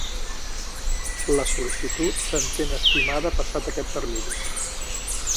La sol·licitud s'entén estimada passat aquest termini.